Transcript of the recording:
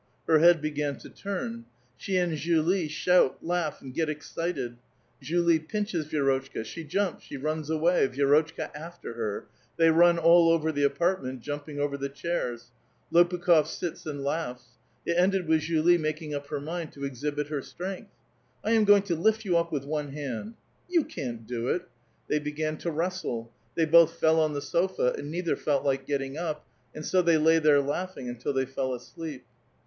Her head began to turn. She and Julie shout, laugh, and get excited. Julie pinches Vi^rotchka ; she jumps ; she runs away, Vi^rotchka after her ; they run all over the apartment, jumping over the chairs ; Lopukh6f sits and laughs. It ended with Julie making up her mind to e:^hibit her strength. *' I am going to lift you up with one hand !"" You can't do it !" Tbey began to wrestle ; they both fell on the sofa and neither felt like getting up, and so they lay there laughing until the}' fell asleep.